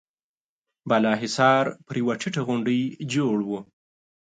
بالا حصار پر يوه ټيټه غونډۍ جوړ و.